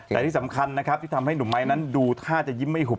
แต่ที่สำคัญนะครับที่ทำให้หนุ่มไม้นั้นดูท่าจะยิ้มไม่หุบ